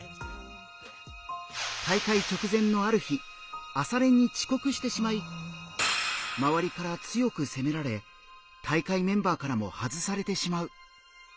大会直前のある日朝練に遅刻してしまいまわりから強く責められ大会メンバーからも外されてしまう。